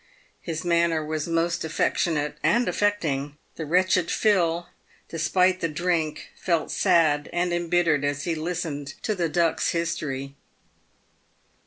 His manner was most affectionate and affecting. The wretched Phil, despite the drink, felt sad and embittered as he listened to the Duck's history.